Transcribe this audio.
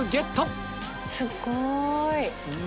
すごい。